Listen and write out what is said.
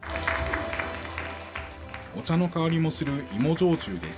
お茶の香りもする芋焼酎です。